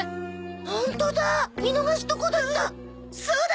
ホントだ！